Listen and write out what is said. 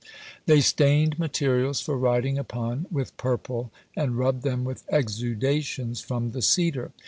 They stained materials for writing upon, with purple, and rubbed them with exudations from the cedar.